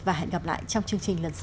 và hẹn gặp lại trong chương trình lần sau